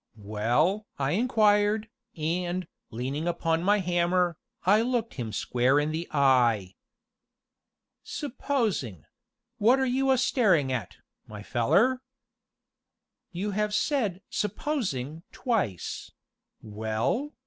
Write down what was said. "Well?" I inquired, and, leaning upon my hammer, I looked him square in the eye. "Supposing wot are you a staring at, my feller?" "You have said 'supposing' twice well?"